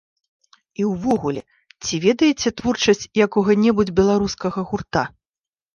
І ўвогуле, ці ведаеце творчасць якога-небудзь беларускага гурта?